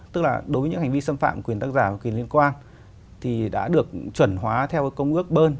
tức là đối với những hành vi xâm phạm quyền tác giả và quyền liên quan thì đã được chuẩn hóa theo công ước bơn